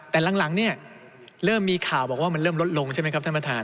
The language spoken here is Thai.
แต่หลังเนี่ยเริ่มมีข่าวบอกว่ามันเริ่มลดลงใช่ไหมครับท่านประธาน